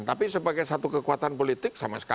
tapi sebagai satu kekuatan politik sama sekali